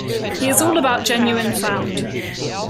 He is all about genuine sound.